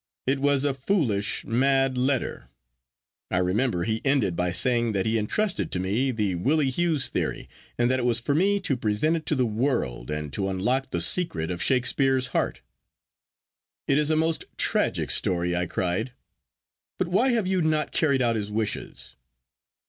It was a foolish, mad letter. I remember he ended by saying that he intrusted to me the Willie Hughes theory, and that it was for me to present it to the world, and to unlock the secret of Shakespeare's heart.' 'It is a most tragic story,' I cried; 'but why have you not carried out his wishes?